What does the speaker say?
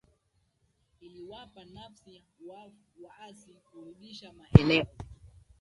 iliwapa nafasi waasi kurudisha maeneo